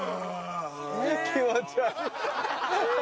気持ち悪い。